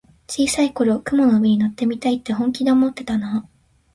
小さい頃、雲の上に乗ってみたいって本気で思ってたなあ。